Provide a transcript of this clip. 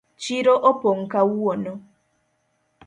Chiro opong kawuono.